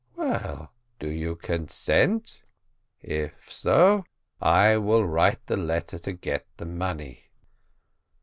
"Well do you consent? if so, I will write the letter to get the money."